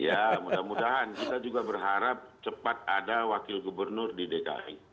ya mudah mudahan kita juga berharap cepat ada wakil gubernur di dki